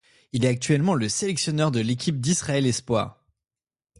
Il est actuellement le sélectionneur de l'équipe d'Israël espoirs.